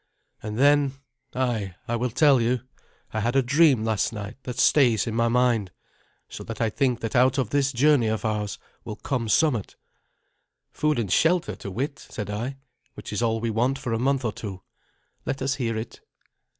And then ay, I will tell you I had a dream last night that stays in my mind, so that I think that out of this journey of ours will come somewhat." "Food and shelter, to wit," said I, "which is all we want for a month or two. Let us hear it."